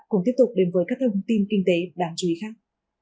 cùng tiếp tục đến với các thông tin kinh tế đáng chú ý khác